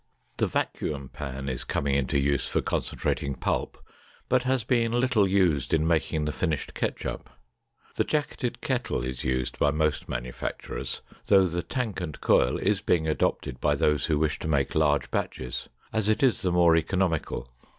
The vacuum pan is coming into use for concentrating pulp, but has been little used in making the finished ketchup. The jacketed kettle is used by most manufacturers, though the tank and coil is being adopted by those who wish to make large batches, as it is the more economical.